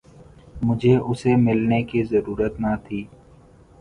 مجھے اسے ملنے کی ضرورت نہ تھی